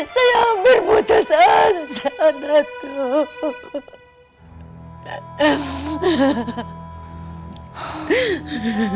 saya hampir putus asa datuk